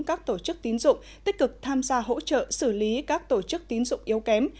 các tổ chức tín dụng tích cực tham gia hỗ trợ xử lý các tổ chức tín dụng yếu kém